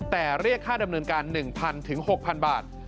แต่เรียกค่าดำเนินการ๑๐๐๖๐๐บาท